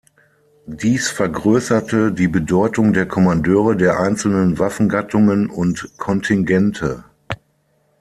Dies vergrößerte die Bedeutung der Kommandeure der einzelnen Waffengattungen und -kontingente.